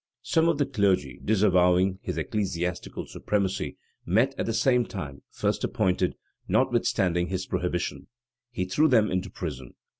Some of the clergy, disavowing his ecclesiastical supremacy, met at the time first appointed, notwithstanding his prohibition. He threw them into prison.